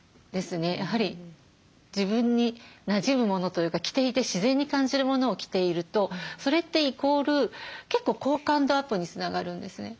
やはり自分になじむものというか着ていて自然に感じるものを着ているとそれってイコール結構好感度アップにつながるんですね。